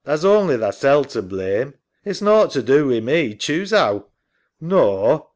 Tha's only thasel' to blame. It's nought to do wi' me, choosehow. SAM.